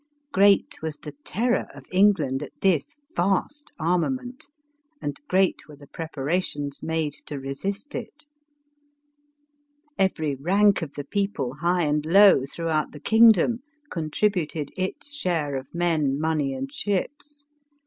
Great was the terror of England at this vast arma ment, and great were the preparations made to resist it Every rank of the people, high and low, through 14 314 ELIZABETH OF ENGLAND. out the kingdom, contributed its share of men, money and ships.